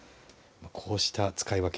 こうした使い分け